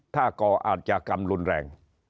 ถ้าก่ออาจยากรรมรุนแรง